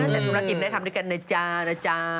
แต่ธุรกิจได้ทำด้วยกันนะจ๊ะ